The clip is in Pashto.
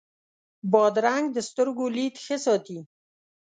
بادرنګ د سترګو لید ښه ساتي.